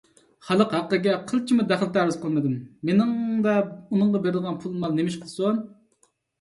خەلق ھەققىگە قىلچىمۇ دەخلى - تەرۇز قىلمىدىم، مېنىڭدە ئۇنىڭغا بېرىدىغان پۇل - مال نېمە ئىش قىلسۇن؟